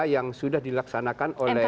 yang sudah dilaksanakan oleh